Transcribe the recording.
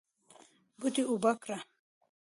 بوټي اوبه کړه